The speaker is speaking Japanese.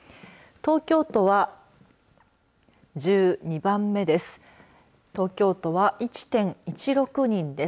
東京都は１．１６人です。